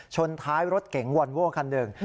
ชนท้ายรถเก๋งวอนโว้คันหนึ่ง